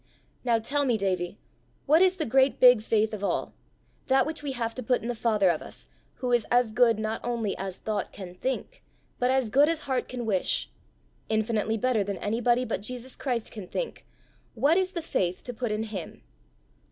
"Now tell me, Davie, what is the great big faith of all that which we have to put in the Father of us, who is as good not only as thought can think, but as good as heart can wish infinitely better than anybody but Jesus Christ can think what is the faith to put in him?"